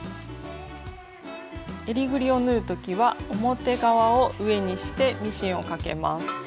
えりぐりを縫う時は表側を上にしてミシンをかけます。